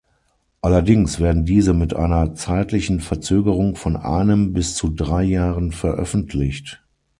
Allerdings werden diese mit einer zeitlichen Verzögerung von einem bis zu drei Jahren veröffentlicht.